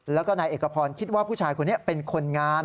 แล้วก็นายเอกพรคิดว่าผู้ชายคนนี้เป็นคนงาน